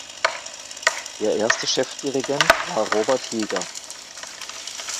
Der erste Chefdirigent war Robert Heger.